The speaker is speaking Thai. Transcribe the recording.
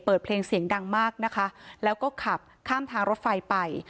เปิดเพลงเสียงดังมากนะคะแล้วก็ขับข้ามทางรถไฟไป